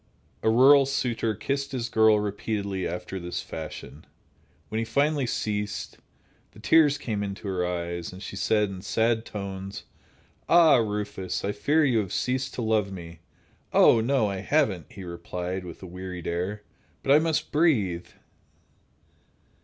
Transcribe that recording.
A rural suitor kissed his girl repeatedly after this fashion. When he finally ceased, the tears came into her eyes, and she said, in sad tones: "Ah, Rufus! I fear you have ceased to love me!" "Oh, no, I haven't," he replied, with a wearied air, "but I must breathe!"